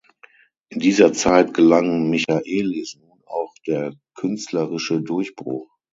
In dieser Zeit gelang Michaelis nun auch der künstlerische Durchbruch.